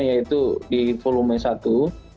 yaitu di volume satu